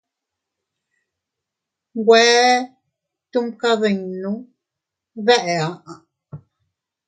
Nwe ytumkadinnu de aʼa.